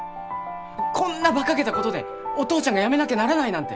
こんなバカげたことでお父ちゃんが辞めなきゃならないなんて！